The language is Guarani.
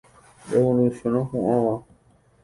Revolución opu'ãva.